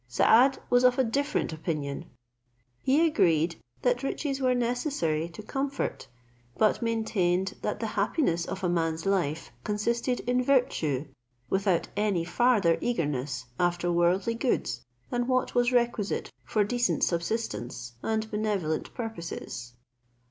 Saad was of a different opinion; he agreed that riches were necessary to comfort, but maintained that the happiness of a man's life consisted in virtue, without any farther eagerness after worldly goods than what was requisite for decent subsistence, and benevolent purposes.